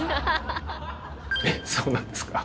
えっそうなんですか？